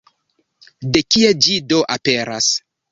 De kie ĝi do aperas?